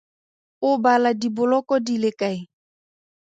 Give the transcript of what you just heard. O bala diboloko di le kae?